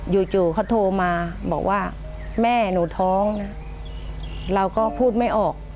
จู่เขาโทรมาบอกว่าแม่หนูท้องนะเราก็พูดไม่ออก